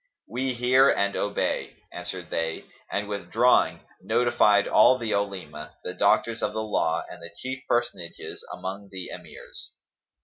"We hear and we obey," answered they and withdrawing, notified all the Olema,[FN#274] the doctors of the law and the chief personages among the Emirs.